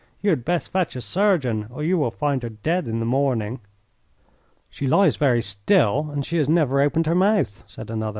"You had best fetch a surgeon or you will find her dead in the morning." "She lies very still and she has never opened her mouth," said another.